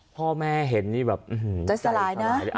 พ่อแม่เห็นนี่แบบใจสลายนะ